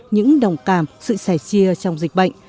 những đồng cảm sự sẻ chia trong dịch bệnh